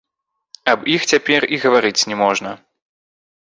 Аб іх цяпер і гаварыць не можна.